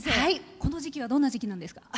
この時期はどんな時期なんですか？